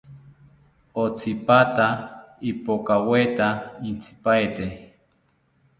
Otsipata ipokaweta intzipaete